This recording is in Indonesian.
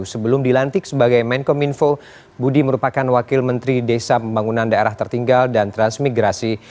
sebelum dilantik sebagai menkominfo budi merupakan wakil menteri desa pembangunan daerah tertinggal dan transmigrasi